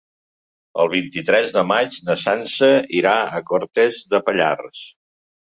El vint-i-tres de maig na Sança irà a Cortes de Pallars.